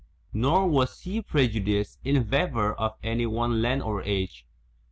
Nor was he prejudiced in favour of any one land or age.